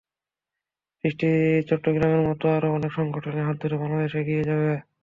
দৃষ্টি চট্টগ্রামের মতো আরও অনেক সংগঠনের হাত ধরে বাংলাদেশ এগিয়ে যাবে।